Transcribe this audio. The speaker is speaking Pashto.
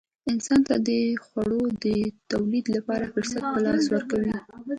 انسان ته د خوړو د تولید لپاره فرصت په لاس ورکوي.